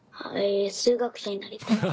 数学者になりたい。